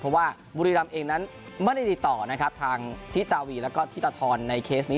เพราะว่าบุรีรำเองนั้นไม่ได้ติดต่อนะครับทางทิตาวีแล้วก็ธิตาทรในเคสนี้